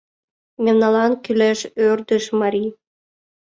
Мемналан кӱлеш ӧрдыж марий.